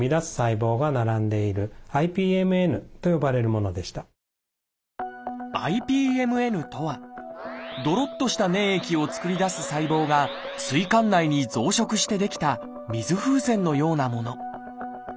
この方の場合は「ＩＰＭＮ」とはどろっとした粘液を作り出す細胞が膵管内に増殖して出来た水風船のようなもの。